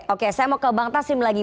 oke saya mau ke bang taslim lagi